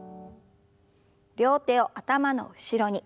両手を頭の後ろに。